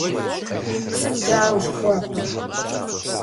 Сыт дауэ жыхуэпӏэр?